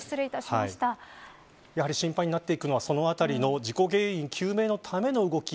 やはり、心配になっていくのは事故原因究明のための動き